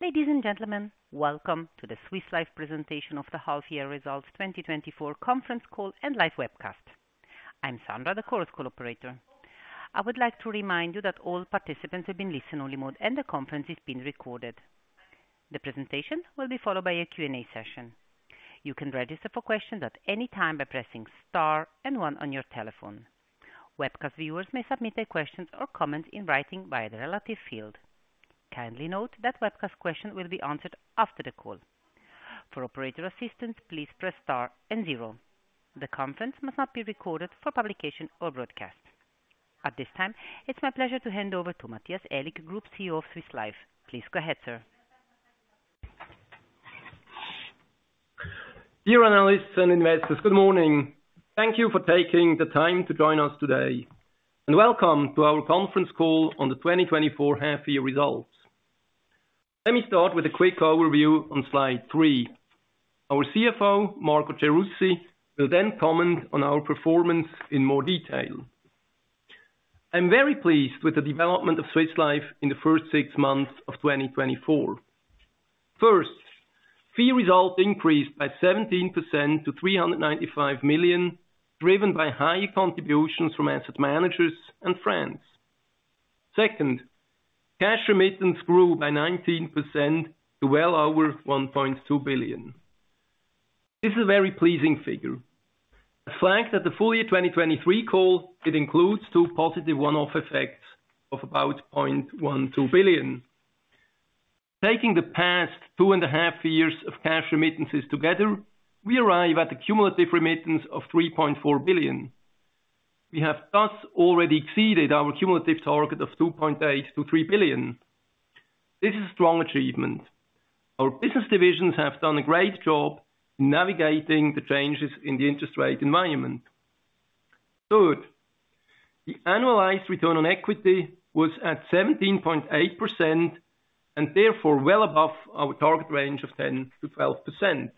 Ladies and gentlemen, welcome to the Swiss Life presentation of the half-year results 2024 conference call and live webcast. I'm Sandra, the conference call operator. I would like to remind you that all participants have been placed in listen-only mode, and the conference is being recorded. The presentation will be followed by a Q&A session. You can register for questions at any time by pressing star one on your telephone. Webcast viewers may submit their questions or comments in writing via the relevant field. Kindly note that webcast questions will be answered after the call. For operator assistance, please press star zero. The conference must not be recorded for publication or broadcast. At this time, it's my pleasure to hand over to Matthias Aellig, Group CEO of Swiss Life. Please go ahead, sir. Dear analysts and investors, good morning. Thank you for taking the time to join us today, and welcome to our conference call on the 2024 half year results. Let me start with a quick overview on Slide 3. Our CFO, Marco Gerussi, will then comment on our performance in more detail. I'm very pleased with the development of Swiss Life in the first six months of 2024. First, fee result increased by 17% to 395 million, driven by high contributions from Asset managers and France. Second, cash remittance grew by 19% to well over 1.2 billion. This is a very pleasing figure. In fact, in the full year 2023 call, it includes two positive one-off effects of about 0.12 billion. Taking the past two and a half years of cash remittances together, we arrive at the cumulative remittance of 3.4 billion. We have thus already exceeded our cumulative target of 2.8 billion-3 billion. This is a strong achievement. Our business divisions have done a great job in navigating the changes in the interest rate environment. Third, the annualized return on equity was at 17.8%, and therefore well above our target range of 10%-12%.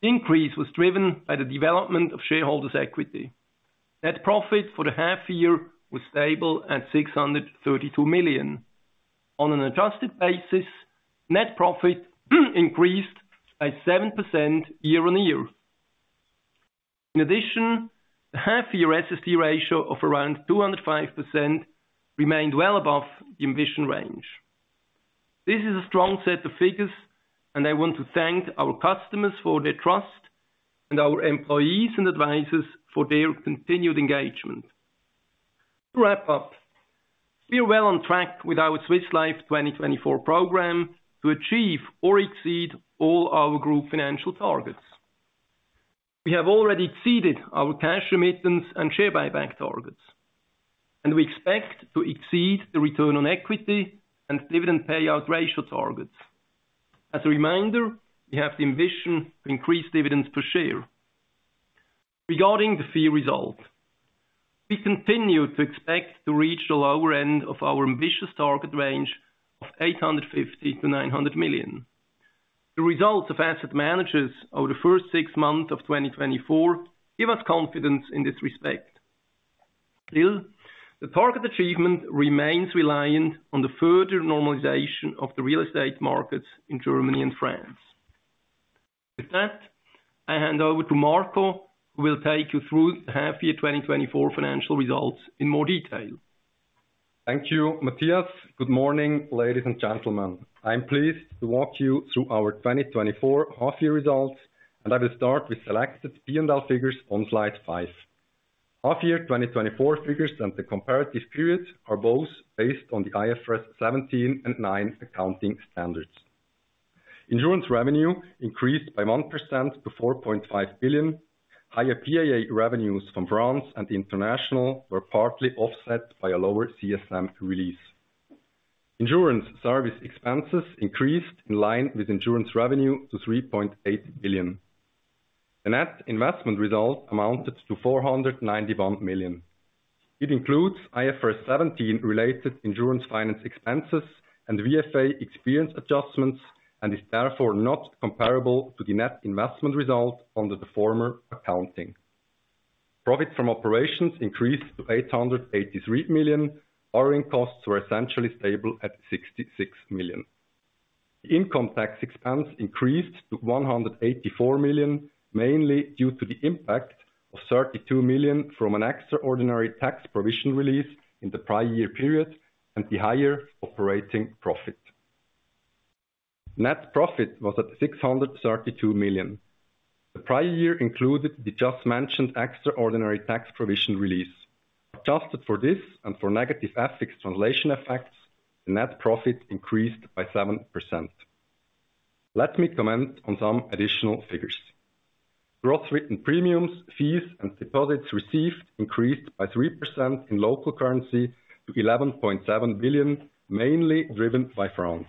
Increase was driven by the development of shareholders' equity. Net profit for the half year was stable at 632 million. On an adjusted basis, net profit increased by 7% year-on-year. In addition, the half year SST ratio of around 205% remained well above the ambition range. This is a strong set of figures, and I want to thank our customers for their trust, and our employees and advisors for their continued engagement. To wrap up, we are well on track with our Swiss Life 2024 program to achieve or exceed all our group financial targets. We have already exceeded our cash remittance and share buyback targets, and we expect to exceed the return on equity and dividend payout ratio targets. As a reminder, we have the ambition to increase dividends per share. Regarding the fee result, we continue to expect to reach the lower end of our ambitious target range of 850-900 million. The results of asset managers over the first six months of 2024 give us confidence in this respect. Still, the target achievement remains reliant on the further normalization of the real estate markets in Germany and France. With that, I hand over to Marco, who will take you through the half-year 2024 financial results in more detail. Thank you, Matthias. Good morning, ladies and gentlemen. I'm pleased to walk you through our 2024 half-year results, and I will start with selected P&L figures on Slide five. Half-year 2024 figures and the comparative periods are both based on the IFRS 17 and 9 accounting standards. Insurance revenue increased by 1% to 4.5 billion. Higher PAA revenues from France and international were partly offset by a lower CSM release. Insurance service expenses increased in line with insurance revenue to 3.8 billion. The net investment result amounted to 491 million. It includes IFRS 17 related insurance finance expenses and VFA experience adjustments, and is therefore not comparable to the net investment result under the former accounting. Profit from operations increased to 883 million. Borrowing costs were essentially stable at 66 million. The income tax expense increased to 184 million, mainly due to the impact of 32 million from an extraordinary tax provision release in the prior year period, and the higher operating profit. Net profit was at 632 million. The prior year included the just mentioned extraordinary tax provision release. Adjusted for this and for negative FX translation effects, the net profit increased by 7%. Let me comment on some additional figures. Gross written premiums, fees, and deposits received increased by 3% in local currency to 11.7 billion, mainly driven by France.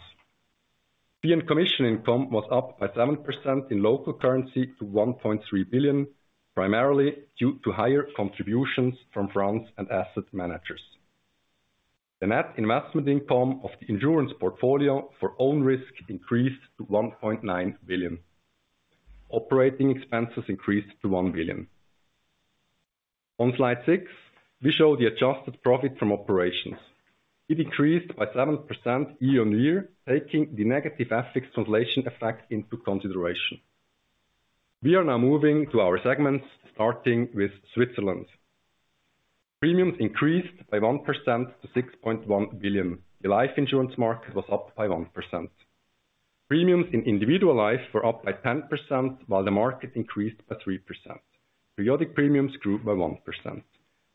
Fee and commission income was up by 7% in local currency to 1.3 billion, primarily due to higher contributions from France and asset managers. The net investment income of the insurance portfolio for own risk increased to 1.9 billion. Operating expenses increased to 1 billion. On Slide six, we show the adjusted profit from operations. It decreased by 7% year-on-year, taking the negative FX translation effect into consideration. We are now moving to our segments, starting with Switzerland. Premiums increased by 1% to 6.1 billion. The life insurance market was up by 1%. Premiums in individual life were up by 10%, while the market increased by 3%. Periodic premiums grew by 1%.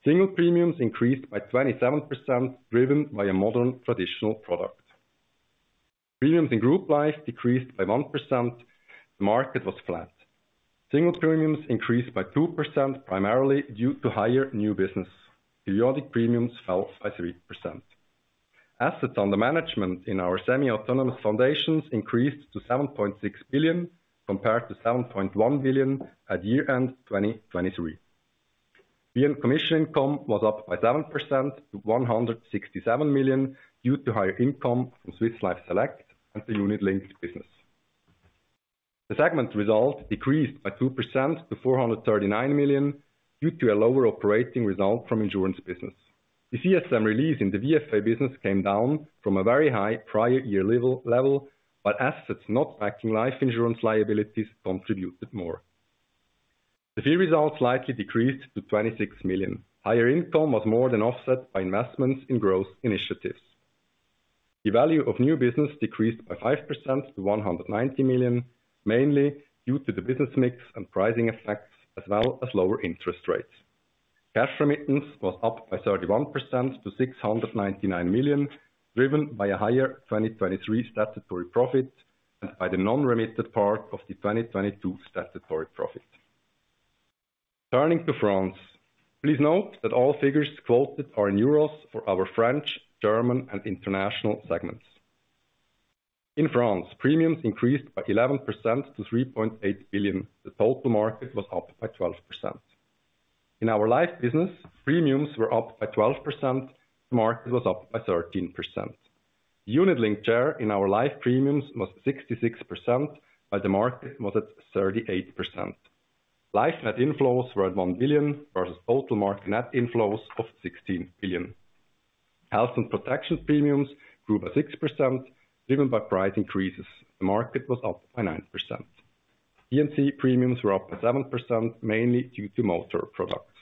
Single premiums increased by 27%, driven by a modern traditional product. Premiums in group life decreased by 1%. The market was flat. Single premiums increased by 2%, primarily due to higher new business. Periodic premiums fell by 3%. Assets under management in our semi-autonomous foundations increased to 7.6 billion, compared to 7.1 billion at year-end 2023. Fee and commission income was up by 7% to 167 million, due to higher income from Swiss Life Select and the unit-linked business. The segment result decreased by 2% to 439 million, due to a lower operating result from insurance business. The CSM release in the VFA business came down from a very high prior year level, but assets not backing life insurance liabilities contributed more. The fee results likely decreased to 26 million. Higher income was more than offset by investments in growth initiatives. The value of new business decreased by 5% to 190 million, mainly due to the business mix and pricing effects, as well as lower interest rates. Cash remittance was up by 31% to 699 million, driven by a higher 2023 statutory profit and by the non-remitted part of the 2022 statutory profit. Turning to France, please note that all figures quoted are in euros for our French, German, and international segments. In France, premiums increased by 11% to 3.8 billion. The total market was up by 12%. In our life business, premiums were up by 12%. The market was up by 13%. Unit-linked share in our life premiums was 66%, while the market was at 38%. Life net inflows were at 1 billion versus total market net inflows of 16 billion. Health and protection premiums grew by 6%, driven by price increases. The market was up by 9%. P&C premiums were up by 7%, mainly due to motor products.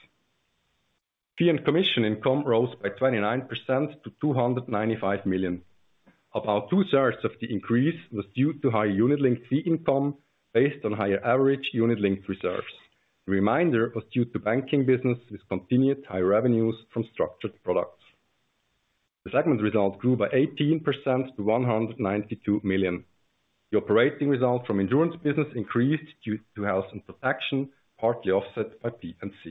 Fee and commission income rose by 29% to 295 million. About two-thirds of the increase was due to higher unit-linked fee income based on higher average unit-linked reserves. The remainder was due to banking business with continued high revenues from structured products. The segment result grew by 18% to 192 million. The operating result from insurance business increased due to health and protection, partly offset by P&C.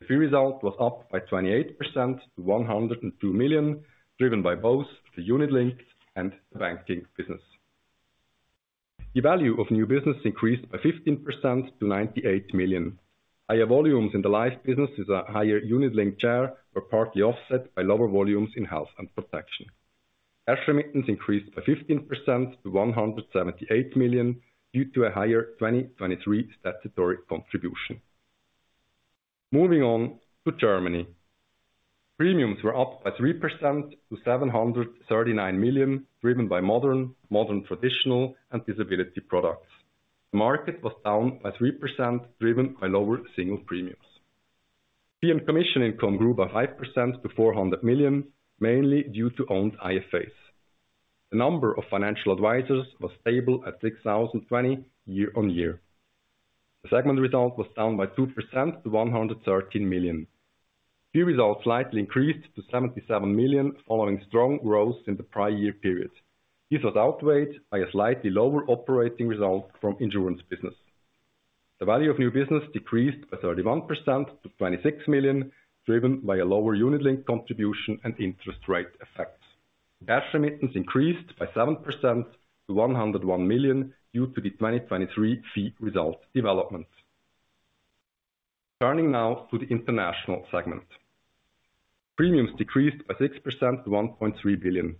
The fee result was up by 28% to 102 million, driven by both the unit-linked and the banking business. The value of new business increased by 15% to 98 million. Higher volumes in the life business, as a higher unit-linked share, were partly offset by lower volumes in health and protection. Cash remittance increased by 15% to 178 million, due to a higher 2023 statutory contribution. Moving on to Germany. Premiums were up by 3% to 739 million, driven by modern traditional and disability products. Market was down by 3%, driven by lower single premiums. Fee and commission income grew by 5% to 400 million, mainly due to owned IFAs. The number of financial advisors was stable at 6,020 year-on-year. The segment result was down by 2% to 113 million. Fee results slightly increased to 77 million, following strong growth in the prior year period. This was outweighed by a slightly lower operating result from insurance business. The value of new business decreased by 31% to 26 million, driven by a lower unit-linked contribution and interest rate effects. Cash remittance increased by 7% to 101 million due to the 2023 fee result developments. Turning now to the international segment. Premiums decreased by 6% to 1.3 billion.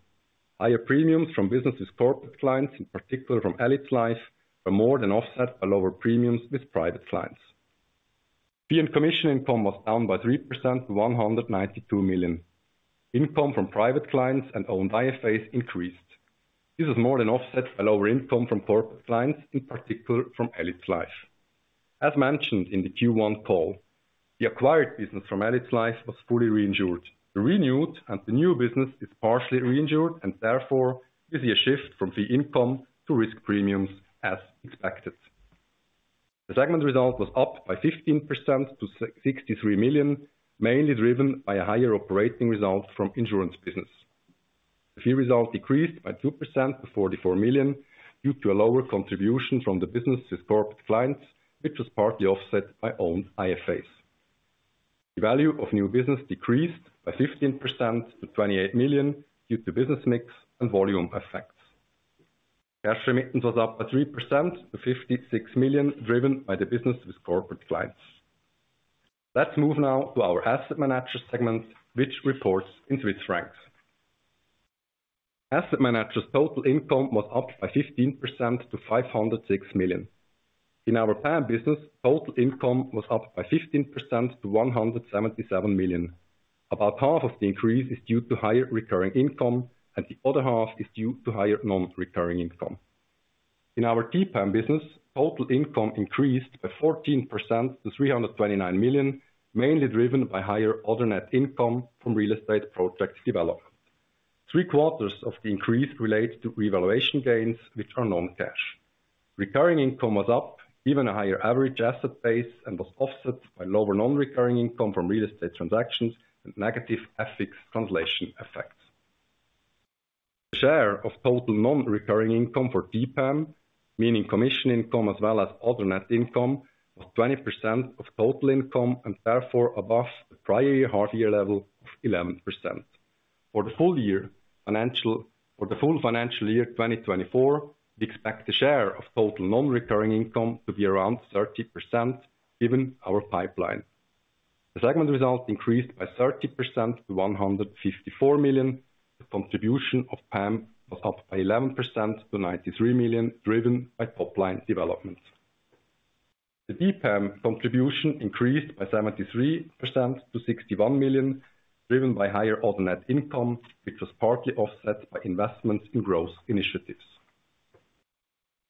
Higher premiums from business with corporate clients, in particular from elipsLife, were more than offset by lower premiums with private clients. Fee and commission income was down by 3% to 192 million. Income from private clients and owned IFAs increased. This was more than offset by lower income from corporate clients, in particular from elipsLife. As mentioned in the Q1 call, the acquired business from elipsLife was fully reinsured. The renewed and the new business is partially reinsured, and therefore, we see a shift from fee income to risk premiums as expected. The segment result was up by 15% to 63 million, mainly driven by a higher operating result from insurance business. The fee result decreased by 2% to 44 million due to a lower contribution from the business with corporate clients, which was partly offset by own IFAs. The value of new business decreased by 15% to 28 million due to business mix and volume effects. Cash remittance was up by 3% to 56 million, driven by the business with corporate clients. Let's move now to our asset managers segment, which reports in Swiss francs. Asset managers total income was up by 15% to 506 million. In our AM business, total income was up by 15% to 177 million. About half of the increase is due to higher recurring income, and the other half is due to higher non-recurring income. In our TPAM business, total income increased by 14% to 329 million, mainly driven by higher other net income from real estate project development. Three quarters of the increase relates to revaluation gains, which are non-cash. Recurring income was up, even a higher average asset base, and was offset by lower non-recurring income from real estate transactions and negative FX translation effects. Share of total non-recurring income for TPAM, meaning commission income as well as other net income, was 20% of total income, and therefore above the prior year, half year level of 11%. For the full financial year 2024, we expect the share of total non-recurring income to be around 30%, given our pipeline. The segment results increased by 30% to 154 million. The contribution of AM was up by 11% to 93 million, driven by top line developments. The TPAM contribution increased by 73% to 61 million, driven by higher other net income, which was partly offset by investments in growth initiatives.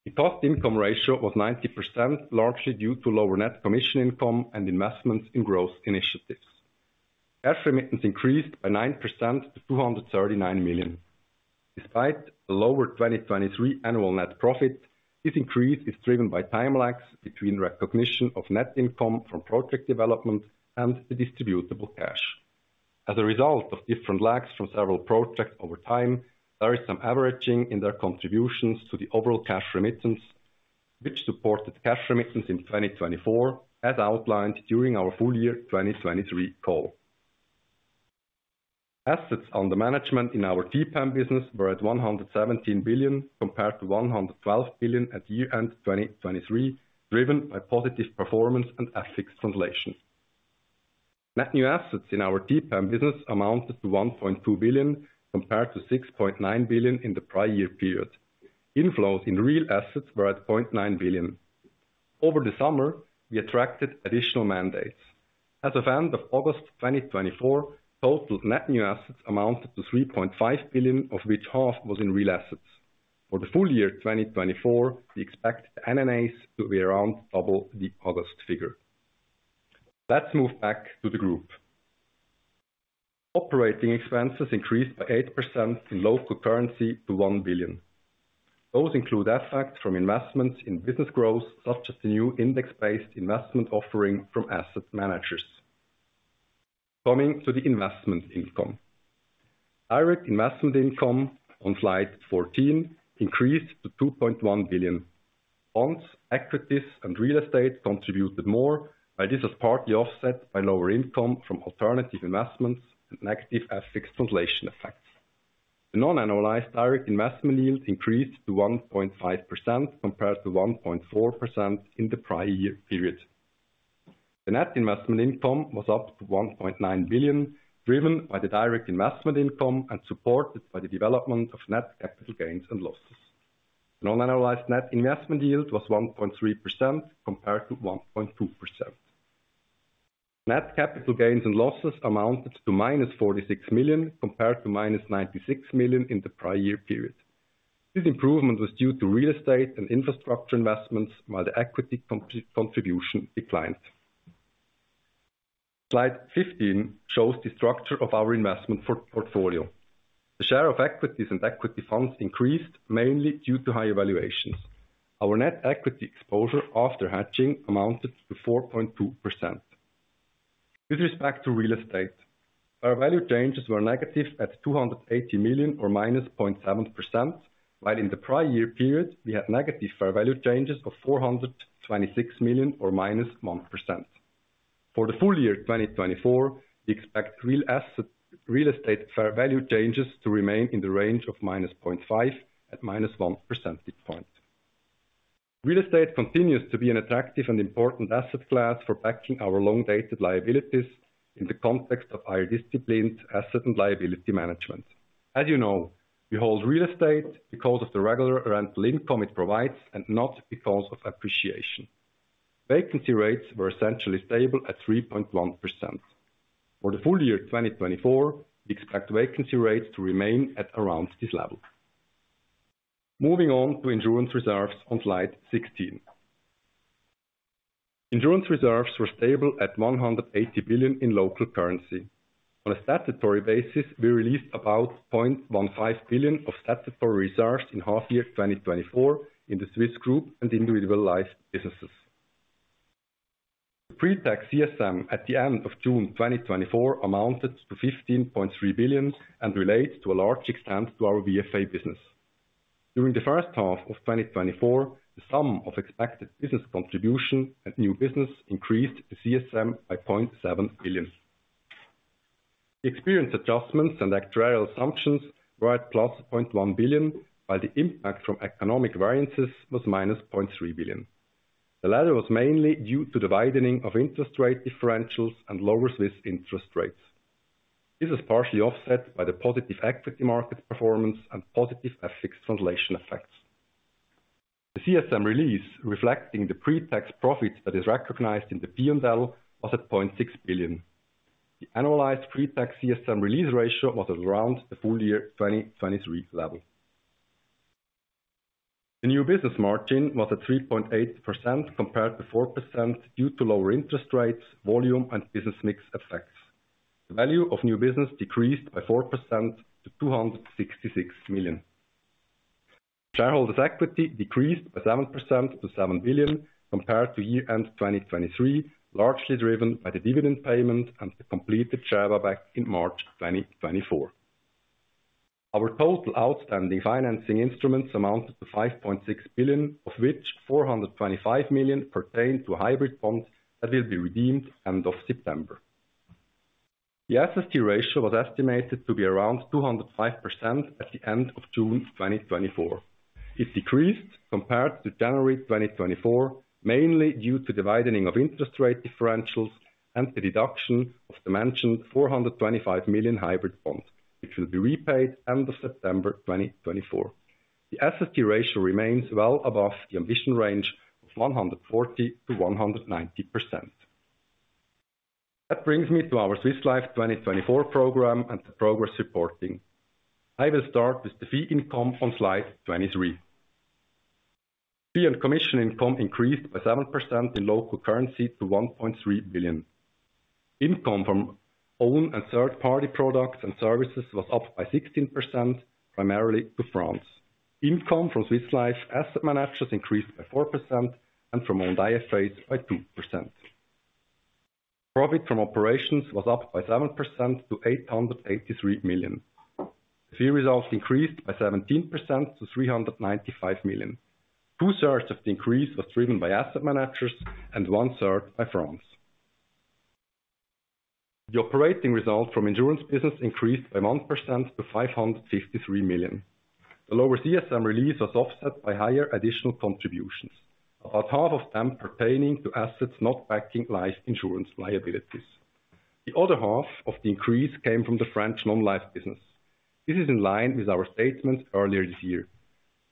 The cost-income ratio was 90%, largely due to lower net commission income and investments in growth initiatives. Cash remittance increased by 9% to 239 million. Despite the lower 2023 annual net profit, this increase is driven by time lags between recognition of net income from project development and the distributable cash. As a result of different lags from several projects over time, there is some averaging in their contributions to the overall cash remittance, which supported cash remittance in 2024, as outlined during our full-year 2023 call. Assets under management in our TPAM business were at 117 billion, compared to 112 billion at the year-end 2023, driven by positive performance and FX translation. Net new assets in our TPAM business amounted to 1.2 billion, compared to 6.9 billion in the prior year period. Inflows in real assets were at 0.9 billion. Over the summer, we attracted additional mandates. As of end of August 2024, total net new assets amounted to 3.5 billion, of which half was in real assets. For the full year twenty twenty-four, we expect NNAs to be around double the August figure. Let's move back to the group. Operating expenses increased by 8% in local currency to 1 billion. Those include effects from investments in business growth, such as the new index-based investment offering from asset managers. Coming to the investment income. Direct investment income on Slide 14 increased to 2.1 billion. Bonds, equities, and real estate contributed more, but this was partly offset by lower income from alternative investments and FX translation effects. The non-annualized direct investment yield increased to 1.5%, compared to 1.4% in the prior year period. The net investment income was up to 1.9 billion, driven by the direct investment income and supported by the development of net capital gains and losses. Non-annualized net investment yield was 1.3% compared to 1.2%. Net capital gains and losses amounted to -46 million, compared to -96 million in the prior year period. This improvement was due to real estate and infrastructure investments, while the equity contribution declined. Slide 15 shows the structure of our investment portfolio. The share of equities and equity funds increased, mainly due to high valuations. Our net equity exposure after hedging amounted to 4.2%. With respect to real estate, our value changes were negative at 280 million, or -0.7%, while in the prior year period, we had negative fair value changes of 426 million or -1%. For the full year 2024, we expect real estate fair value changes to remain in the range of -0.5% to -1% midpoint. Real estate continues to be an attractive and important asset class for backing our long-dated liabilities in the context of our disciplined asset and liability management. As you know, we hold real estate because of the regular rental income it provides, and not because of appreciation. Vacancy rates were essentially stable at 3.1%. For the full year 2024, we expect vacancy rates to remain at around this level. Moving on to insurance reserves on Slide 16. Insurance reserves were stable at 180 billion in local currency. On a statutory basis, we released about 0.15 billion of statutory reserves in half year 2024 in the Swiss group and individual life businesses. Pre-tax CSM at the end of June 2024 amounted to 15.3 billion and relates to a large extent to our VFA business. During the first half of 2024, the sum of expected business contribution and new business increased the CSM by 0.7 billion. Experience adjustments and actuarial assumptions were at +0.1 billion, while the impact from economic variances was -0.3 billion. The latter was mainly due to the widening of interest rate differentials and lower Swiss interest rates. This is partially offset by the positive equity market performance and positive FX translation effects. The CSM release, reflecting the pre-tax profit that is recognized in the P&L, was at 0.6 billion. The annualized pre-tax CSM release ratio was around the full year 2023 level. The new business margin was at 3.8% compared to 4% due to lower interest rates, volume, and business mix effects. The value of new business decreased by 4% to 266 million. Shareholders' equity decreased by 7% to 7 billion compared to year-end 2023, largely driven by the dividend payment and the completed share buyback in March 2024. Our total outstanding financing instruments amounted to 5.6 billion, of which 425 million pertained to hybrid bonds that will be redeemed end of September. The SST ratio was estimated to be around 205% at the end of June 2024. It decreased compared to January 2024, mainly due to the widening of interest rate differentials and the deduction of the mentioned 425 million hybrid bonds, which will be repaid end of September 2024. The SST ratio remains well above the ambition range of 140% to 190%. That brings me to our Swiss Life 2024 program and the progress reporting. I will start with the fee income on Slide 23. Fee and commission income increased by 7% in local currency to 1.3 billion. Income from own and third-party products and services was up by 16%, primarily in France. Income from Swiss Life Asset Managers increased by 4% and from owned IFAs by 2%. Profit from operations was up by 7% to 883 million. Fee results increased by 17% to 395 million. Two-thirds of the increase was driven by asset managers and one-third by France. The operating result from insurance business increased by 1% to 553 million. The lower CSM release was offset by higher additional contributions, about half of them pertaining to assets not backing life insurance liabilities. The other half of the increase came from the French non-life business. This is in line with our statement earlier this year,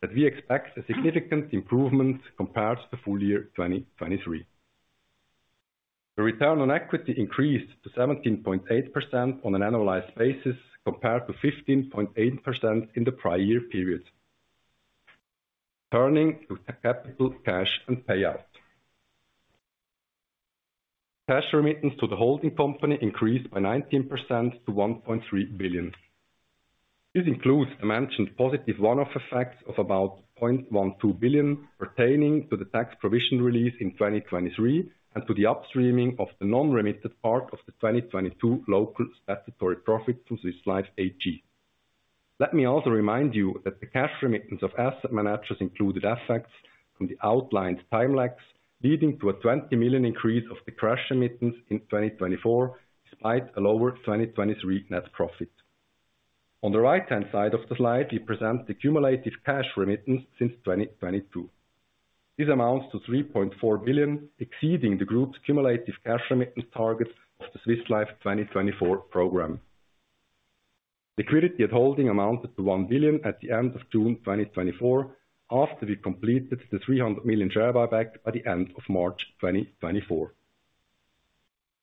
that we expect a significant improvement compared to the full year 2023. The return on equity increased to 17.8% on an annualized basis, compared to 15.8% in the prior year period. Turning to capital, cash, and payout. Cash remittance to the holding company increased by 19% to 1.3 billion. This includes the mentioned positive one-off effects of about 0.12 billion pertaining to the tax provision release in 2023, and to the upstreaming of the non-remitted part of the 2022 local statutory profit to Swiss Life AG. Let me also remind you that the cash remittance of asset managers included effects from the outlined time lags, leading to a 20 million increase of the cash remittance in 2024, despite a lower 2023 net profit. On the right-hand side of the Slide, we present the cumulative cash remittance since 2022. This amounts to 3.4 billion, exceeding the group's cumulative cash remittance target of the Swiss Life 2024 program. Liquidity at holding amounted to 1 billion at the end of June 2024, after we completed the 300 million share buyback by the end of March 2024.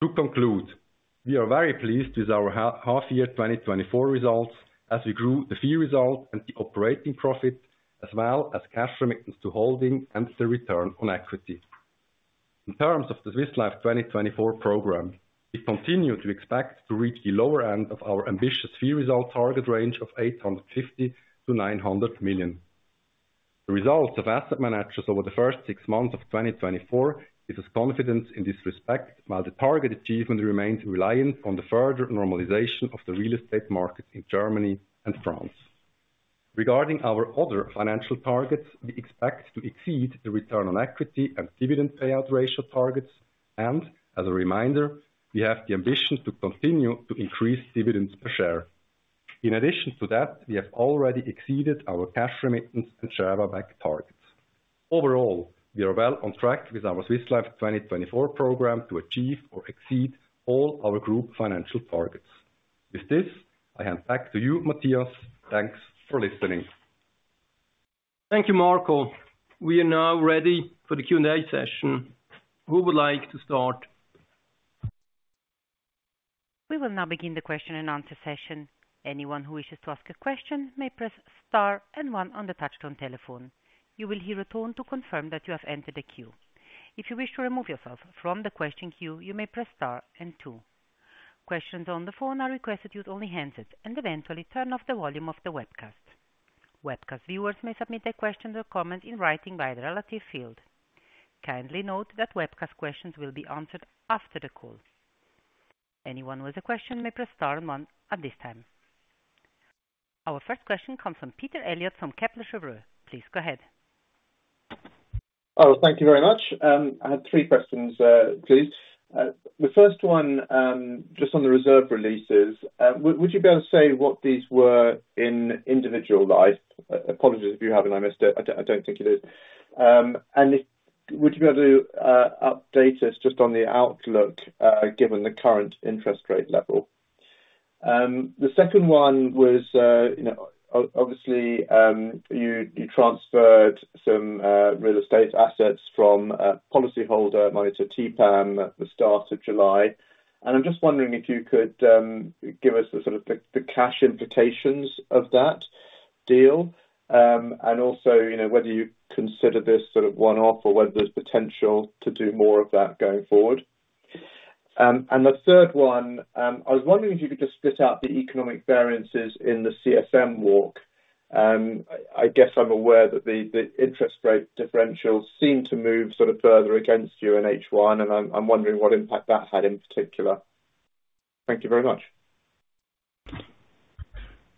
To conclude, we are very pleased with our half year 2024 results as we grew the fee result and the operating profit, as well as cash remittance to holding and the return on equity. In terms of the Swiss Life 2024 program, we continue to expect to reach the lower end of our ambitious fee result target range of 850-900 million. The results of asset managers over the first six months of 2024 gives us confidence in this respect, while the target achievement remains reliant on the further normalization of the real estate market in Germany and France. Regarding our other financial targets, we expect to exceed the return on equity and dividend payout ratio targets, and as a reminder, we have the ambition to continue to increase dividends per share. In addition to that, we have already exceeded our cash remittance and share buyback targets. Overall, we are well on track with our Swiss Life 2024 program to achieve or exceed all our group financial targets. With this, I hand back to you, Matthias. Thanks for listening. Thank you, Marco. We are now ready for the Q&A session. Who would like to start? We will now begin the question and answer session. Anyone who wishes to ask a question may press star and one on the touchtone telephone. You will hear a tone to confirm that you have entered the queue. If you wish to remove yourself from the question queue, you may press star and two. Questions on the phone are requested to use only handsets and eventually turn off the volume of the webcast. Webcast viewers may submit their questions or comments in writing via the relative field. Kindly note that webcast questions will be answered after the call. Anyone with a question may press star and one at this time. Our first question comes from Peter Eliot from Kepler Cheuvreux. Please go ahead. Oh, thank you very much. I had three questions, please. The first one, just on the reserve releases. Would you be able to say what these were in individual life? Apologies if you have, and I missed it. I don't think you did. Would you be able to update us just on the outlook, given the current interest rate level? The second one was, you know, obviously, you transferred some real estate assets from policyholder money to TPAM at the start of July. And I'm just wondering if you could give us the sort of the cash implications of that deal. And also, you know, whether you consider this sort of one-off or whether there's potential to do more of that going forward. And the third one, I was wondering if you could just spit out the economic variances in the CSM walk? I guess I'm aware that the interest rate differentials seem to move sort of further against you in H1, and I'm wondering what impact that had in particular? Thank you very much.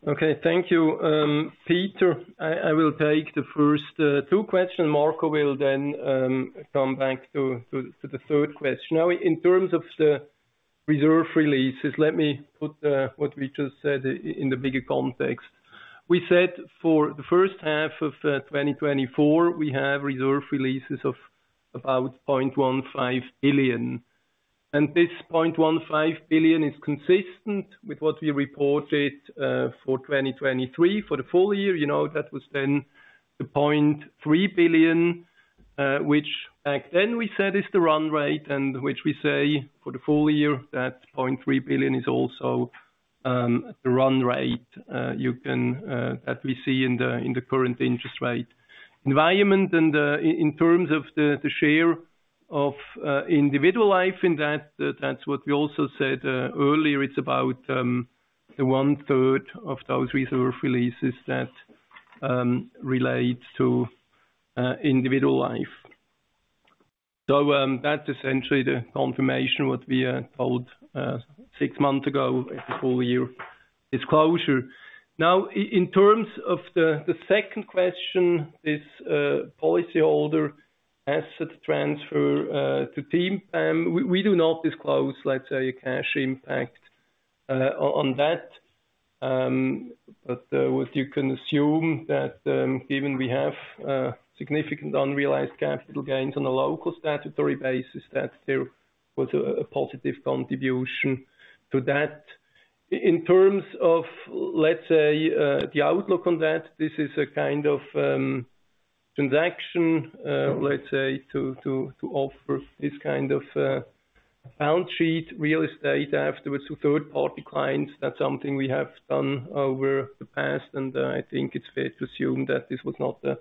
Okay. Thank you, Peter. I will take the first two questions. Marco will then come back to the third question. Now, in terms of the reserve releases, let me put what we just said in the bigger context. We said for the first half of 2024, we have reserve releases of about 0.15 billion, and this 0.15 billion is consistent with what we reported for 2023. For the full year, you know, that was then the 0.3 billion, which back then we said is the run rate, and which we say for the full year, that 0.3 billion is also the run rate. You can see that we see in the current interest rate environment. And, in terms of the share of individual life in that, that's what we also said, earlier. It's about the one third of those reserve releases that relates to individual life. So, that's essentially the confirmation what we told six months ago at the full year disclosure. Now, in terms of the second question, this policyholder asset transfer to TPAM, we do not disclose, let's say, a cash impact on that. But, what you can assume that, given we have significant unrealized capital gains on a local statutory basis, that there was a positive contribution to that. In terms of, let's say, the outlook on that, this is a kind of transaction, let's say, to offer this kind of balance sheet real estate afterwards to third party clients. That's something we have done over the past, and I think it's fair to assume that this was not a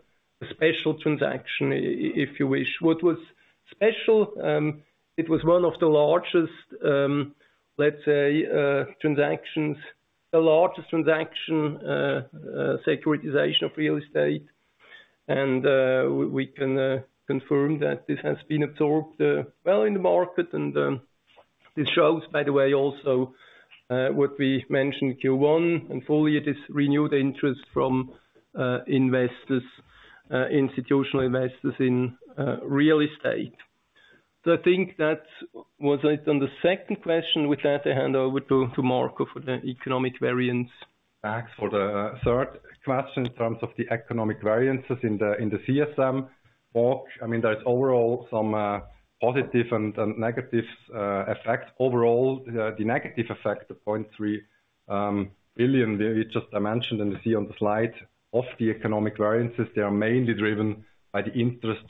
special transaction, if you wish. What was special, it was one of the largest, let's say, transactions, the largest transaction, securitization of real estate. And we can confirm that this has been absorbed well in the market. And this shows, by the way, also what we mentioned in Q1, and fully it is renewed interest from investors, institutional investors in real estate. So I think that was it on the second question. With that, I hand over to Marco for the economic variance. Thanks. For the third question, in terms of the economic variances in the CSM walk, I mean, there's overall some positive and negative effects. Overall, the negative effect of 0.3 billion, which I just mentioned and you see on the Slide, of the economic variances, they are mainly driven by the interest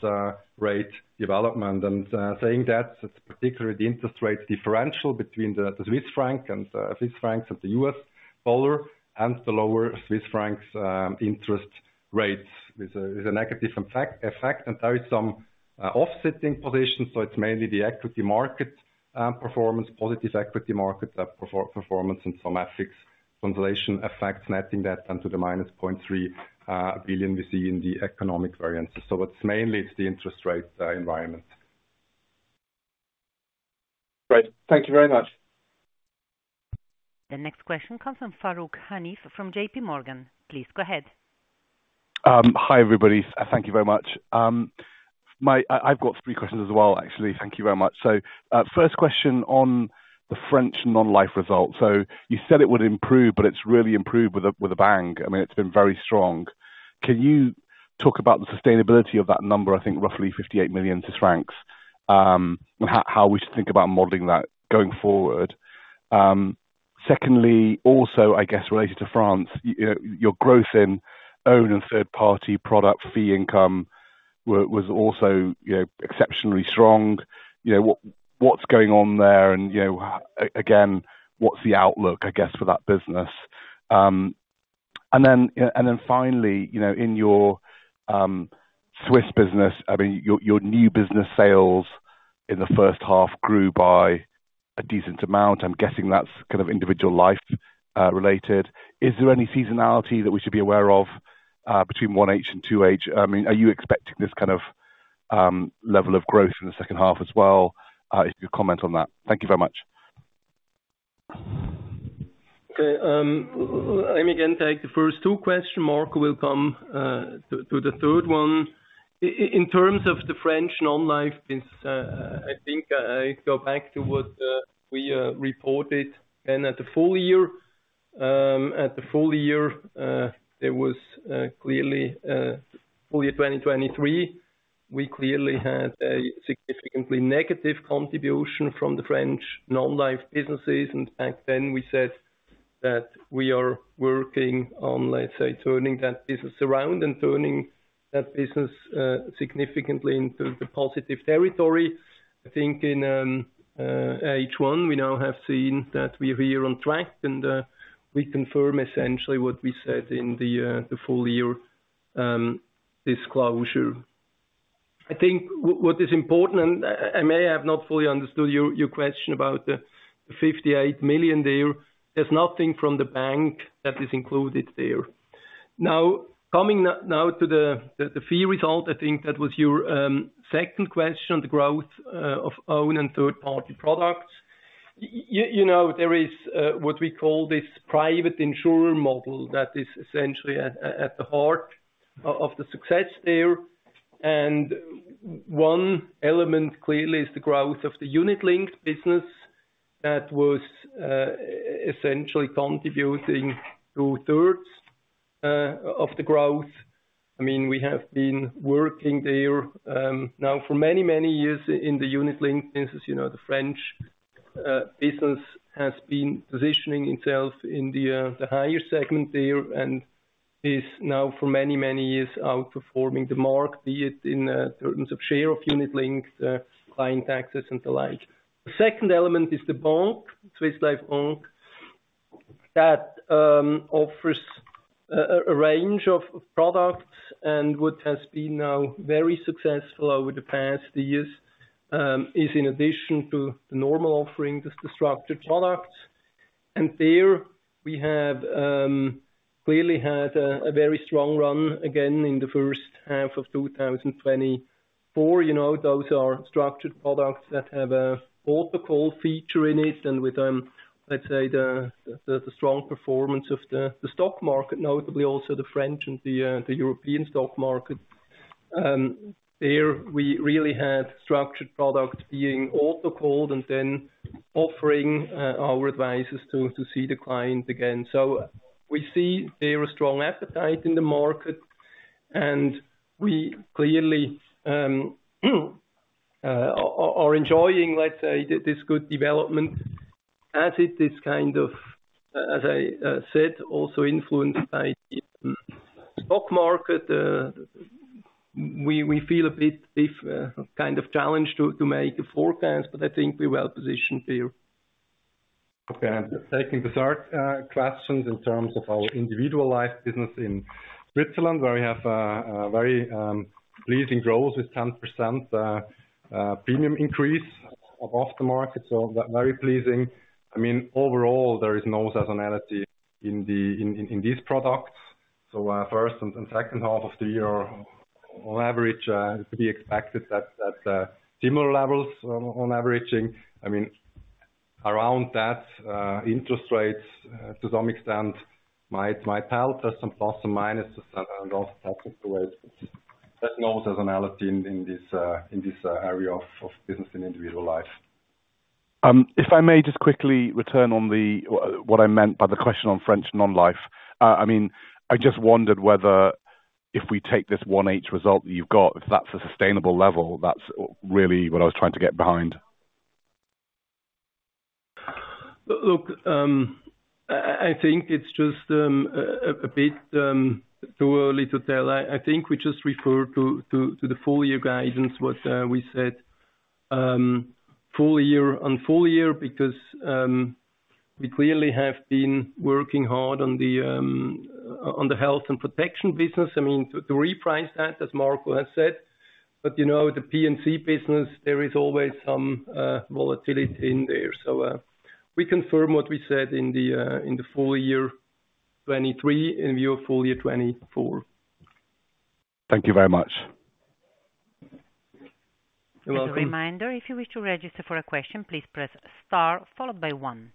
rate development. And saying that, particularly the interest rates differential between the Swiss franc and the US dollar, and the lower Swiss franc interest rates is a negative effect. And there is some offsetting positions, so it's mainly the equity market performance, positive equity markets performance, and some FX translation effects, netting that then to the minus 0.3 billion we see in the economic variances. So it's mainly the interest rate environment. Great. Thank you very much. The next question comes from Farooq Hanif, from JPMorgan. Please go ahead. Hi, everybody. Thank you very much. I've got three questions as well, actually. Thank you very much. So, first question on the French non-life results. So you said it would improve, but it's really improved with a bang. I mean, it's been very strong. Can you talk about the sustainability of that number? I think roughly 58 million francs. And how we should think about modeling that going forward. Secondly, also, I guess, related to France, you know, your growth in own and third-party product fee income was also, you know, exceptionally strong. You know, what's going on there? And, you know, again, what's the outlook, I guess, for that business? And then finally, you know, in your Swiss business, I mean, your new business sales in the first half grew by a decent amount. I'm guessing that's kind of individual life related. Is there any seasonality that we should be aware of between H1 and H2? I mean, are you expecting this kind of level of growth in the second half as well? If you could comment on that. Thank you very much. Okay, let me again take the first two question. Marco will come to the third one. In terms of the French non-life business, I think I go back to what we reported, and at the full year. At the full year, there was clearly full year 2023, we clearly had a significantly negative contribution from the French non-life businesses. And back then we said that we are working on, let's say, turning that business around and turning that business significantly into the positive territory. I think in H-1, we now have seen that we're here on track, and we confirm essentially what we said in the full year disclosure. I think what is important, and I may have not fully understood your question about the 58 million there. There's nothing from the bank that is included there. Now, coming now to the fee result, I think that was your second question, the growth of own and third-party products. You know, there is what we call this private insurer model that is essentially at the heart of the success there. And one element, clearly, is the growth of the unit-linked business that was essentially contributing two-thirds of the growth. I mean, we have been working there now for many years in the unit-linked business. You know, the French business has been positioning itself in the higher segment there, and is now for many years outperforming the market, be it in terms of share of unit-linked client access and the like. The second element is the bank, Swiss Life Bank, that offers a range of products, and what has been now very successful over the past years is in addition to the normal offerings, the structured products. There we have clearly had a very strong run again in the first half of 2024. You know, those are structured products that have a auto call feature in it, and with, let's say, the strong performance of the stock market, notably also the French and the European stock market. There, we really had structured products being auto called and then offering our advisors to see the client again. So we see there a strong appetite in the market, and we clearly are enjoying, let's say, this good development as it is kind of, as I said, also influenced by the stock market. We feel a bit different, kind of challenged to make a forecast, but I think we're well positioned there. Okay, and taking the third questions in terms of our individual life business in Switzerland, where we have a very pleasing growth with 10% premium increase above the market, so very pleasing. I mean, overall, there is no seasonality in these products. So, first and second half of the year, on average, to be expected that, at similar levels on averaging. I mean, around that, interest rates, to some extent, might help. There's some plus and minus around interest rates. There's no seasonality in this area of business and individual life. If I may just quickly return to what I meant by the question on French non-life. I mean, I just wondered whether if we take this one H result that you've got, if that's a sustainable level, that's really what I was trying to get behind. Look, I think it's just a bit too early to tell. I think we just refer to the full year guidance, what we said. Full year on full year, because we clearly have been working hard on the health and protection business, I mean, to reprice that, as Marco has said. But, you know, the P&C business, there is always some volatility in there. So, we confirm what we said in the full year 2023, in view of full year 2024. Thank you very much. You're welcome. As a reminder, if you wish to register for a question, please press star followed by one.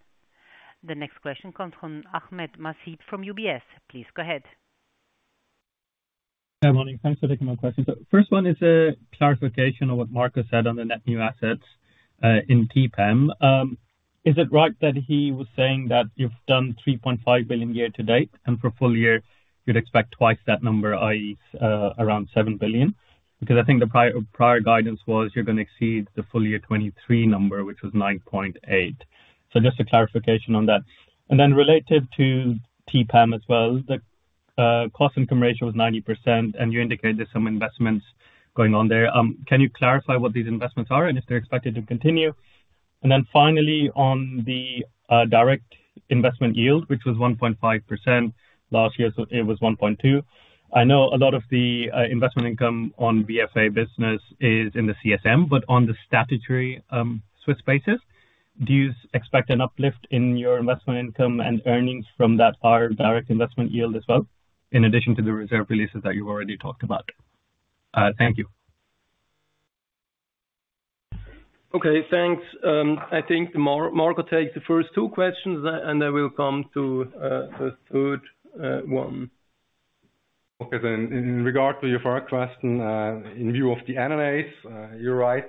The next question comes from Nasib Ahmed from UBS. Please go ahead. Hi, morning. Thanks for taking my question. So first one is a clarification on what Marco said on the net new assets in TPAM. Is it right that he was saying that you've done 3.5 billion year to date, and for full year, you'd expect twice that number, i.e., around 7 billion? Because I think the prior guidance was you're going to exceed the full-year 2023 number, which was 9.8. So just a clarification on that. And then related to TPAM as well, the cost-income ratio was 90%, and you indicated there's some investments going on there. Can you clarify what these investments are and if they're expected to continue? And then finally, on the direct investment yield, which was 1.5% last year, so it was 1.2. I know a lot of the investment income on BFA business is in the CSM, but on the statutory Swiss basis, do you expect an uplift in your investment income and earnings from the direct investment yield as well, in addition to the reserve releases that you've already talked about? Thank you. Okay, thanks. I think Marco, take the first two questions, and then we'll come to the third one. Okay, then in regard to your first question, in view of the NNA, you're right.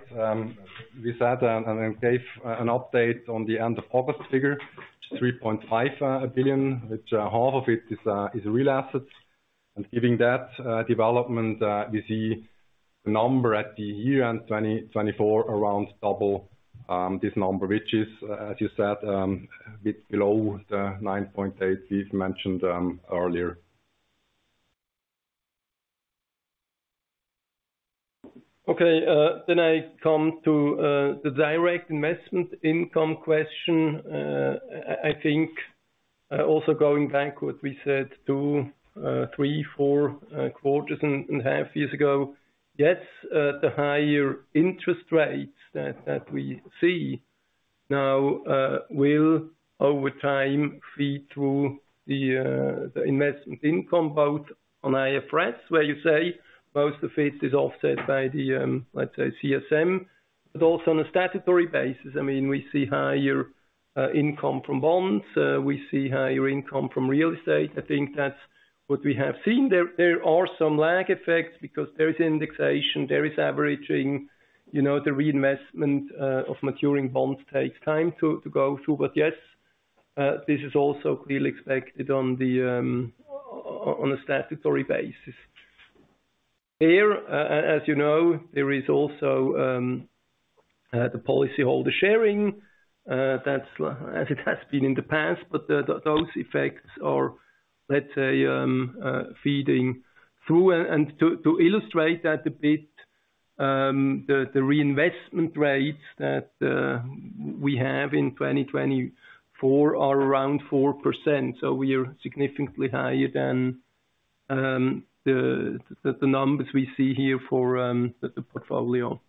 We said, and then gave, an update on the end of August figure, 3.5 billion, which half of it is real assets. And giving that development, we see the number at year-end 2024 around double this number, which is, as you said, a bit below the 9.8 we've mentioned, earlier. Okay, then I come to the direct investment income question. I think also going backward, we said two, three, four quarters and half years ago. Yes, the higher interest rates that we see now will over time feed to the investment income, both on IFRS, where you say most of it is offset by the, let's say, CSM, but also on a statutory basis. I mean, we see higher income from bonds, we see higher income from real estate. I think that's what we have seen there. There are some lag effects because there is indexation, there is averaging. You know, the reinvestment of maturing bonds takes time to go through. But yes, this is also clearly expected on a statutory basis. Here, as you know, there is also the policyholder sharing, that's as it has been in the past, but those effects are, let's say, feeding through. And to illustrate that a bit, the reinvestment rates that we have in 2024 are around 4%, so we are significantly higher than the numbers we see here for the portfolio.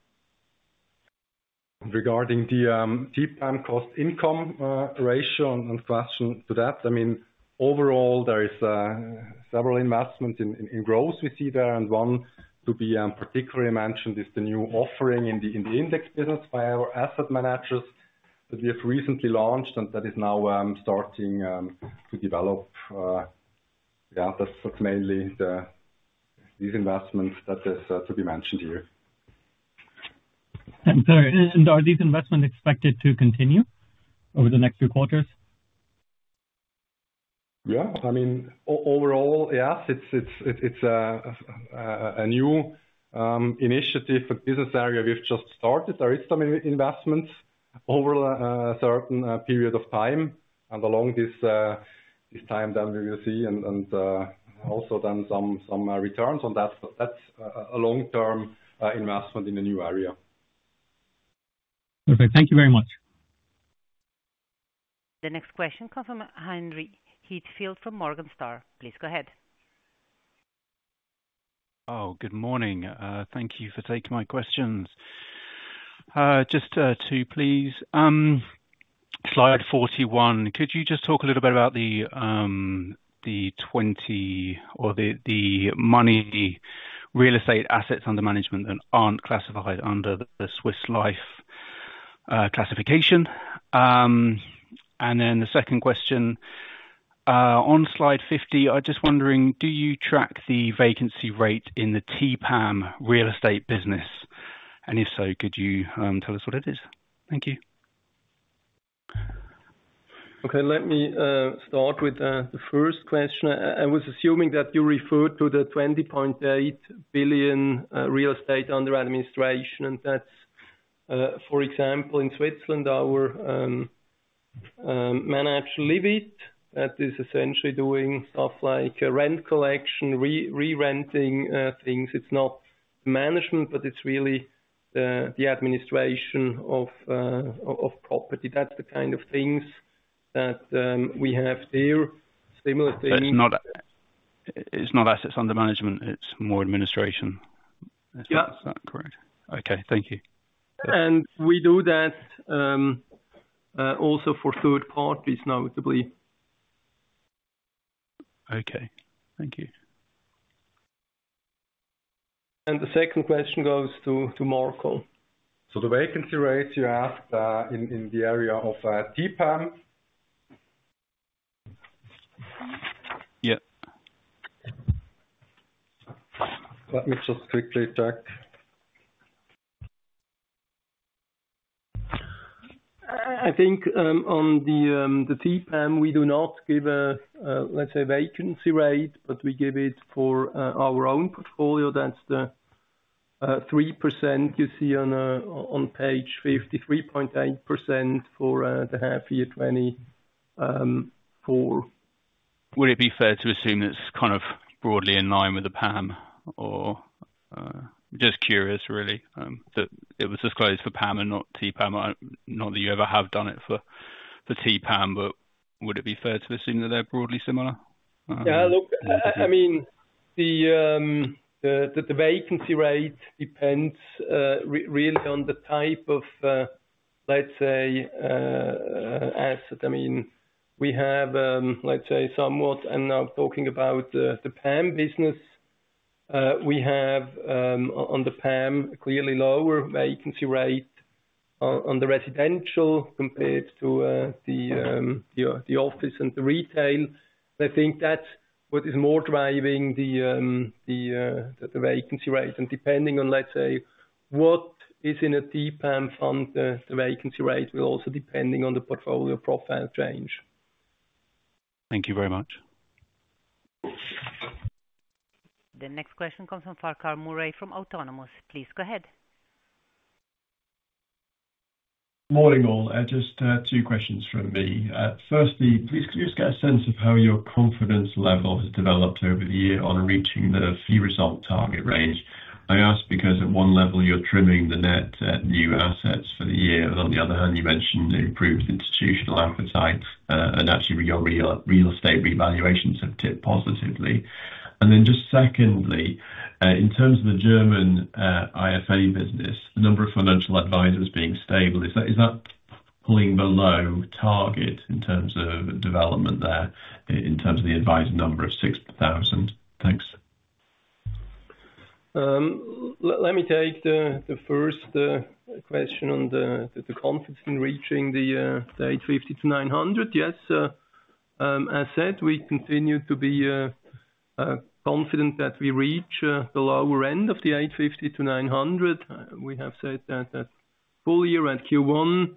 Regarding the TPAM cost-income ratio and question to that, I mean, overall, there is several investments in growth we see there, and one to be particularly mentioned is the new offering in the index business by our asset managers, that we have recently launched, and that is now starting to develop. Yeah, that's mainly these investments that is to be mentioned here. Sorry, are these investments expected to continue over the next few quarters? Yeah. I mean, overall, yes, it's a new initiative, a business area we've just started. There is some investments over a certain period of time, and along this time, then we will see and also then some returns on that. So that's a long-term investment in a new area. Okay. Thank you very much. The next question comes from Henry Heathfield from Morningstar. Please go ahead. Oh, good morning. Thank you for taking my questions. Just two, please. Slide 41, could you just talk a little bit about the 20.8, the real estate assets under management that aren't classified under the Swiss Life classification? And then the second question, on Slide 50, I'm just wondering, do you track the vacancy rate in the TPAM real estate business? And if so, could you tell us what it is? Thank you. Okay, let me start with the first question. I was assuming that you referred to the 20.8 billion real estate under administration. That's for example, in Switzerland, our managed Livit, that is essentially doing stuff like rent collection, re-renting, things. It's not management, but it's really the administration of property. That's the kind of things that we have there. Similar things- It's not assets under management, it's more administration. Yeah. Is that correct? Okay, thank you. We do that, also for third parties, notably. Okay, thank you. The second question goes to, to Marco. So the vacancy rates you asked in the area of TPAM? Yeah. Let me just quickly check. I think on the TPAM, we do not give a, let's say, vacancy rate, but we give it for our own portfolio. That's the 3% you see on page 50, 3.8% for the half year 2024. Would it be fair to assume it's kind of broadly in line with the PAM or? Just curious, really, that it was disclosed for AM and not TPAM. Not that you ever have done it for TPAM, but would it be fair to assume that they're broadly similar? Yeah, look, I mean, the vacancy rate depends really on the type of, let's say, asset. I mean, we have, let's say somewhat, and I'm talking about the AM business. We have on the AM clearly lower vacancy rate on the residential compared to the office and the retail. I think that's what is more driving the vacancy rate. And depending on, let's say, what is in a deep AM fund, the vacancy rate will also depending on the portfolio profile change. Thank you very much. The next question comes from Farquhar Murray from Autonomous. Please go ahead. Morning, all. Just, two questions from me. Firstly, please, can you just get a sense of how your confidence level has developed over the year on reaching the fee result target range? I ask because at one level, you're trimming the net, new assets for the year. On the other hand, you mentioned the improved institutional appetite, and actually your real estate revaluations have tipped positively. And then just secondly, in terms of the German IFA business, the number of financial advisors being stable, is that pulling below target in terms of development there, in terms of the advisor number of six thousand? Thanks. Let me take the first question on the confidence in reaching the 850-900. Yes, as said, we continue to be confident that we reach the lower end of the 850-900. We have said that at full year, at Q1,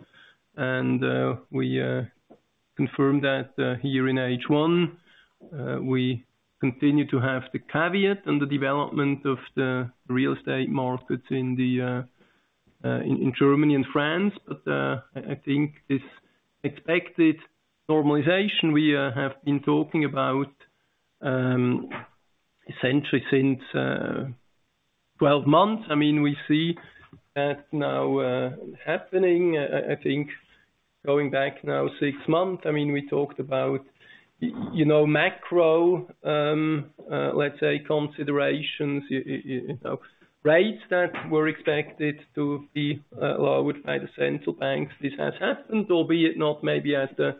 and we confirmed that here in H1. We continue to have the caveat and the development of the real estate markets in Germany and France, but I think this expected normalization we have been talking about essentially since 12 months. I mean, we see that now happening. I think going back now six months, I mean, we talked about, you know, macro, let's say considerations, you know, rates that were expected to be lowered by the central banks. This has happened, albeit not maybe at the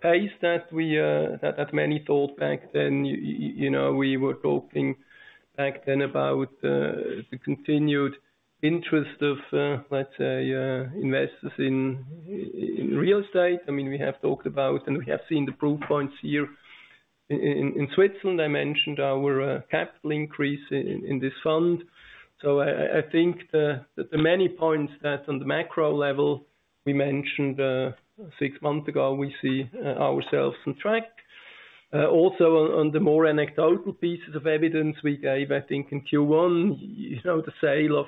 pace that we, that many thought back then. You know, we were talking back then about the continued interest of, let's say, investors in real estate. I mean, we have talked about, and we have seen the proof points here in Switzerland. I mentioned our capital increase in this fund. So I think the many points that on the macro level, we mentioned six months ago, we see ourselves on track. Also on the more anecdotal pieces of evidence we gave, I think in Q1, you know, the sale of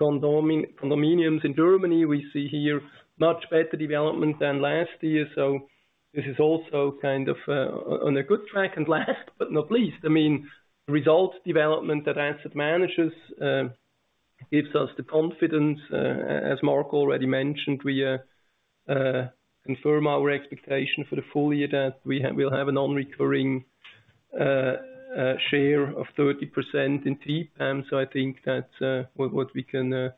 condominiums in Germany, we see here much better development than last year. So this is also kind of on a good track. And last but not least, I mean, results development at asset managers gives us the confidence. As Marco already mentioned, we confirm our expectation for the full year that we'll have a non-recurring share of 30% in TPAM. So I think that's what we can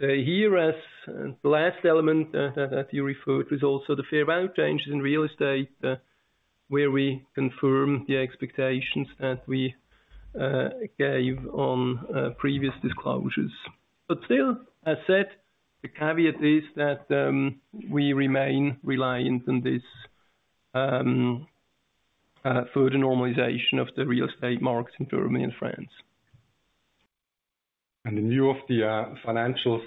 say here. As the last element that you referred to was also the fair value changes in real estate, where we confirm the expectations that we gave on previous disclosures. But still, as said, the caveat is that we remain reliant on this further normalization of the real estate markets in Germany and France. In view of the financial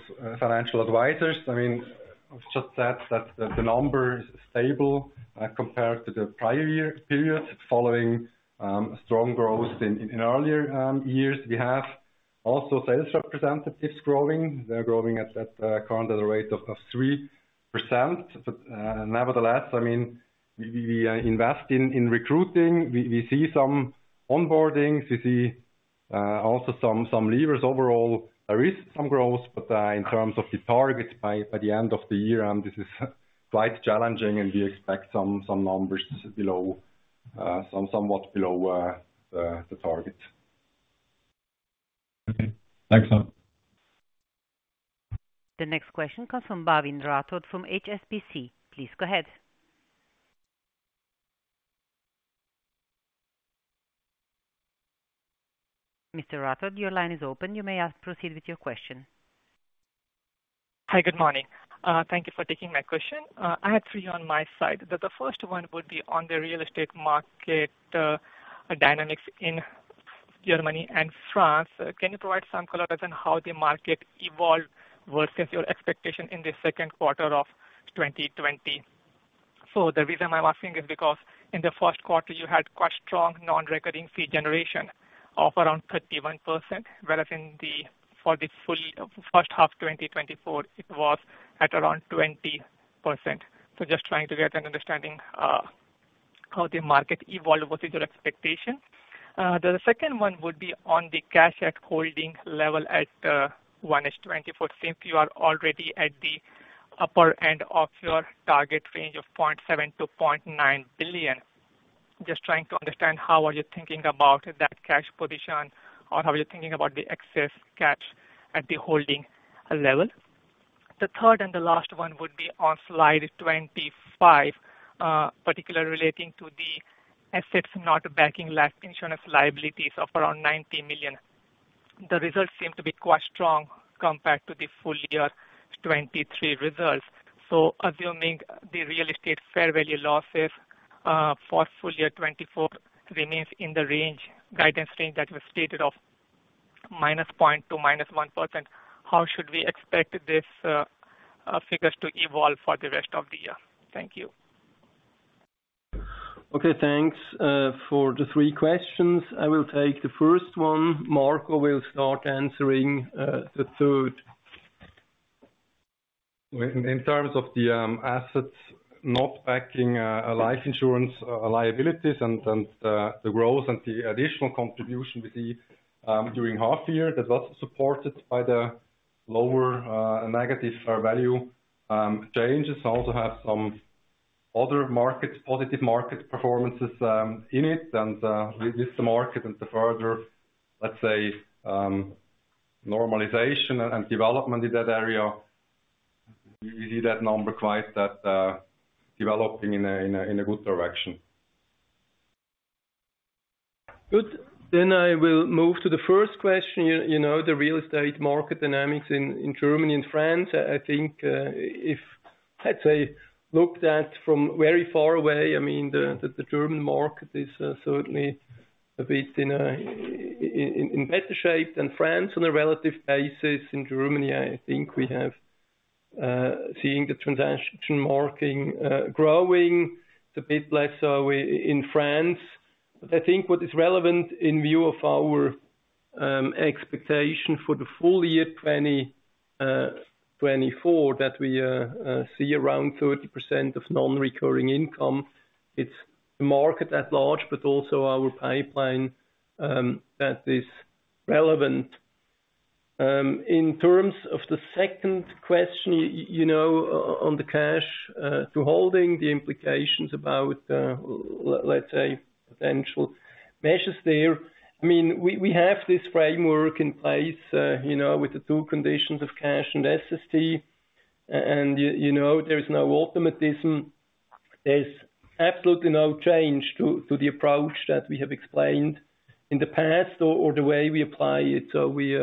advisors, I mean, I've just said that the number is stable, compared to the prior year periods, following strong growth in earlier years. We also have sales representatives growing. They're growing at a current rate of 3%. But nevertheless, I mean, we invest in recruiting. We see some onboarding. We see also some leavers. Overall, there is some growth, but in terms of the target by the end of the year, this is quite challenging, and we expect some numbers below, somewhat below, the target. Okay. Thanks a lot. The next question comes from Bhavin Rathod, from HSBC. Please go ahead. Mr. Rathod, your line is open. You may now proceed with your question. Hi, good morning. Thank you for taking my question. I have three on my side. The first one would be on the real estate market dynamics in Germany and France. Can you provide some color on how the market evolved versus your expectation in the second quarter of 2020? So the reason I'm asking is because in the first quarter, you had quite strong non-recurring fee generation of around 31%, whereas in the for the full first half 2024, it was at around 20%. Just trying to get an understanding how the market evolved versus your expectation. The second one would be on the cash at holding level at 1H 2024, since you are already at the upper end of your target range of 0.7-0.9 billion. Just trying to understand, how are you thinking about that cash position, or how are you thinking about the excess cash at the holding level? The third and the last one would be on Slide 25, particularly relating to the assets not backing life insurance liabilities of around 90 million. The results seem to be quite strong compared to the full year 2023 results. So assuming the real estate fair value losses for full year 2024 remains in the range, guidance range that was stated of -0.2% to -1%, how should we expect this figures to evolve for the rest of the year? Thank you. Okay, thanks for the three questions. I will take the first one. Marco will start answering the third. In terms of the assets not backing life insurance liabilities and the growth and the additional contribution we see during half year, that's also supported by the lower negative fair value changes, also in some other markets, positive market performances in it, and with this market and the further, let's say, normalization and development in that area, you see that number quite developing in a good direction. Good. Then I will move to the first question. You know, the real estate market dynamics in Germany and France, I think, if let's say looked at from very far away, I mean, the German market is certainly a bit in better shape than France on a relative basis. In Germany, I think we have seeing the transaction market growing. It's a bit less so in France. But I think what is relevant in view of our expectation for the full year twenty twenty-four, that we see around 30% of non-recurring income. It's the market at large, but also our pipeline that is relevant. In terms of the second question, you know, on the cash to holding the implications about, let's say, potential measures there. I mean, we have this framework in place, you know, with the two conditions of cash and SST, and you know, there's no automatism. There's absolutely no change to the approach that we have explained in the past or the way we apply it, so we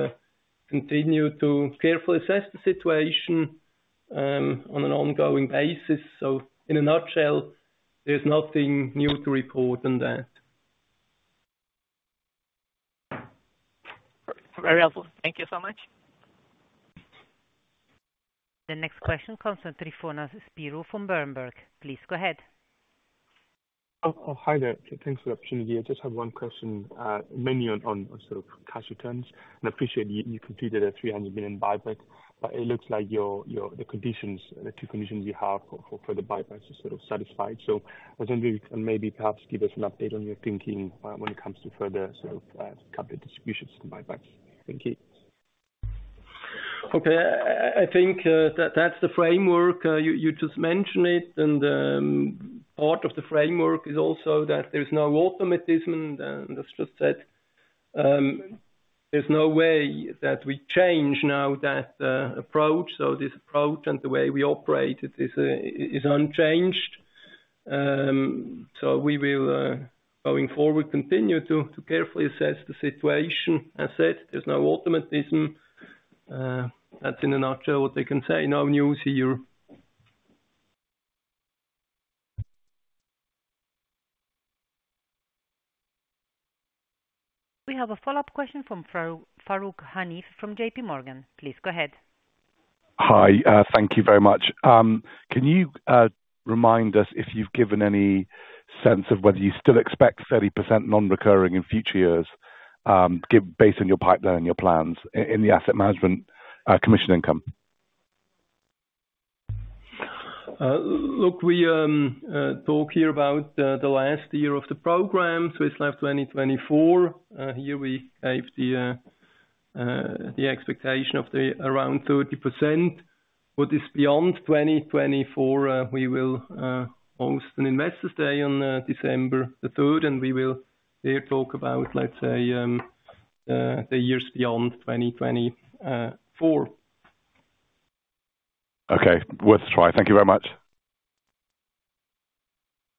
continue to carefully assess the situation on an ongoing basis, so in a nutshell, there's nothing new to report on that. Very helpful. Thank you so much. The next question comes from Tryfonas Spyrou from Berenberg. Please go ahead. Oh, hi there. Thanks for the opportunity. I just have one question, mainly on sort of cash returns. I appreciate you completed a 300 million buyback, but it looks like the two conditions you have for the buybacks is sort of satisfied. So I was wondering if you can maybe perhaps give us an update on your thinking, when it comes to further sort of capital distributions and buybacks. Thank you. Okay. I think that that's the framework. You just mentioned it, and part of the framework is also that there's no automatism, and as just said, there's no way that we change now that approach. So this approach and the way we operate it is unchanged. So we will going forward continue to carefully assess the situation. As said, there's no automatism. That's in a nutshell what I can say. No news here. We have a follow-up question from Farooq Hanif from JPMorgan. Please go ahead. Hi, thank you very much. Can you remind us if you've given any sense of whether you still expect 30% non-recurring in future years, given based on your pipeline and your plans in the asset management, commission income? Look, we talk here about the last year of the program, Swiss Life 2024. Here we have the expectation of around 30%. What is beyond twenty twenty-four, we will host an Investor Day on December the third, and we will there talk about, let's say, the years beyond twenty twenty-four. Okay. Worth a try. Thank you very much.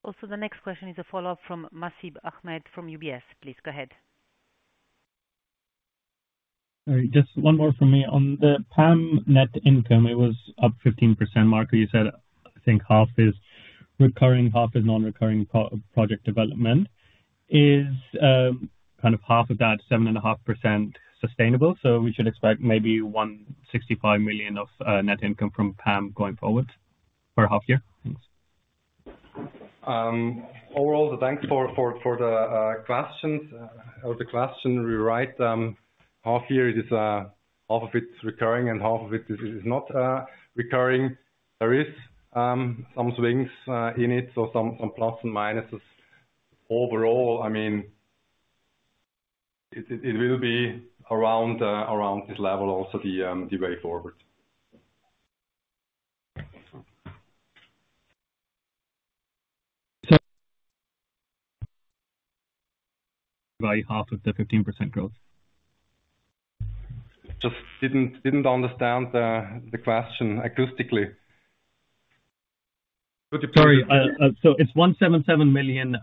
Also, the next question is a follow-up from Nasib Ahmed from UBS. Please go ahead. Just one more for me. On the AM net income, it was up 15%. Matthias you said, I think half is recurring, half is non-recurring from project development. Is kind of half of that 7.5% sustainable? So we should expect maybe 165 million of net income from AM going forward for a half year? Overall, thanks for the questions or the question. You're right, half-year is half of it's recurring and half of it is not recurring. There is some swings in it, so some plus and minuses. Overall, I mean, it will be around this level, also the way forward. right off of the 15% growth? Just didn't understand the question acoustically. Sorry, so it's 177 million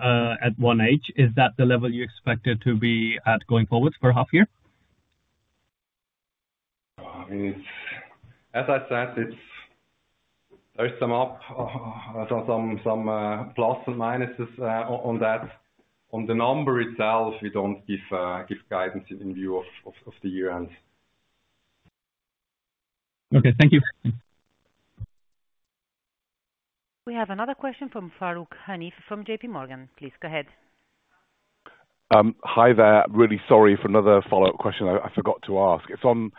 at 1H, is that the level you expected to be at going forward for half year? As I said, there are some pluses and minuses on that. On the number itself, we don't give guidance in view of the year end. Okay, thank you. We have another question from Farooq Hanif from JPMorgan. Please go ahead. Hi there. Really sorry for another follow-up question I forgot to ask. It's on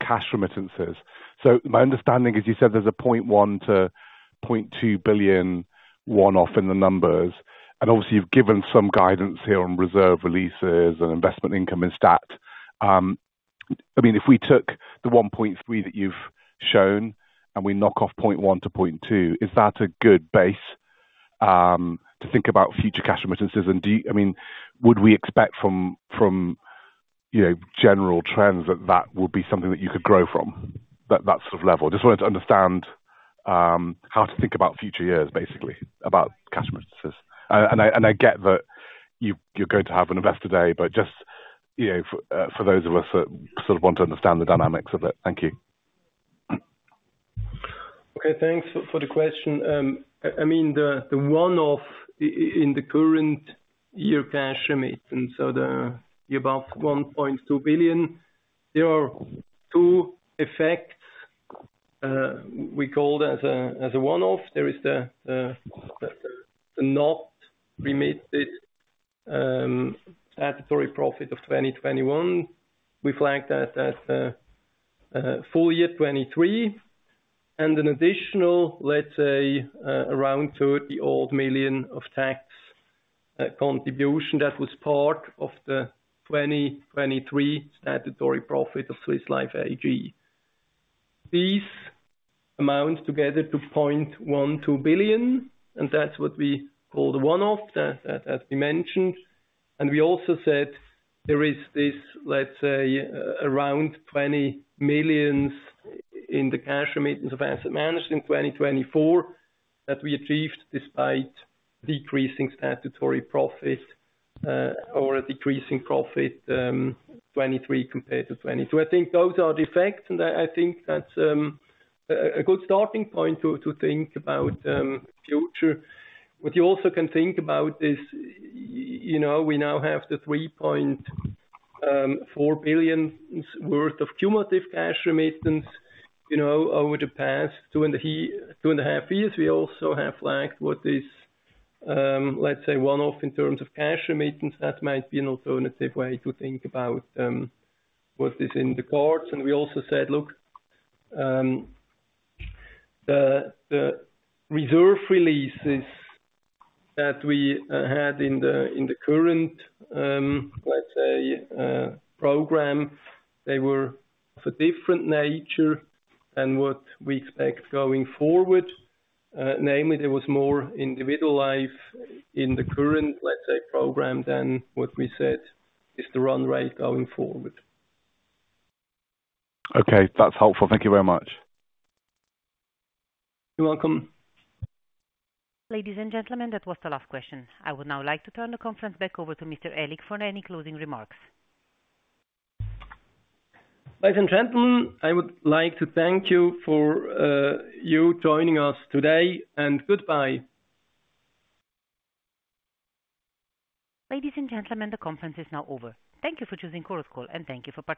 cash remittances. So my understanding is you said there's a 0.1-0.2 billion one-off in the numbers, and obviously you've given some guidance here on reserve releases and investment income and stat. I mean, if we took the 1.3 that you've shown, and we knock off 0.1-0.2, is that a good base to think about future cash remittances? And do you, I mean, would we expect from you know, general trends that would be something that you could grow from, that sort of level? Just wanted to understand how to think about future years, basically, about cash remittances. I get that you're going to have an Investor Day, but just, you know, for those of us that sort of want to understand the dynamics of it. Thank you. Okay, thanks for the question. I mean, the one-off in the current year cash remittance, so the above 1.2 billion, there are two effects we called as a one-off. There is the not remitted statutory profit of 2021. We flagged that as full year 2023, and an additional, let's say, around 30-odd million of tax contribution that was part of the 2023 statutory profit of Swiss Life AG. These amount together to 0.12 billion, and that's what we call the one-off, as we mentioned. And we also said there is this, let's say, around 20 million in the cash remittance of asset management in 2024, that we achieved despite decreasing statutory profit or a decreasing profit 2023 compared to 2022. I think those are the effects, and I think that's a good starting point to think about future. What you also can think about is, you know, we now have 3.4 billion worth of cumulative cash remittance, you know, over the past two and a half years. We also have flagged what is, let's say, one-off in terms of cash remittance. That might be an alternative way to think about what is in the cards, and we also said, look, the reserve releases that we had in the current, let's say, program, they were of a different nature than what we expect going forward. Namely, there was more individual life in the current, let's say, program, than what we said is the run rate going forward. Okay. That's helpful. Thank you very much. You're welcome. Ladies and gentlemen, that was the last question. I would now like to turn the conference back over to Mr. Aellig for any closing remarks. Ladies and gentlemen, I would like to thank you for you joining us today, and goodbye. Ladies and gentlemen, the conference is now over. Thank you for choosing Chorus Call, and thank you for participating.